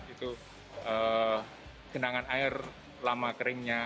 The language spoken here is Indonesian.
itu genangan air lama keringnya